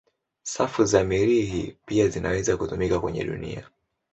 Safu za Mirihi pia zinaweza kutumika kwenye dunia.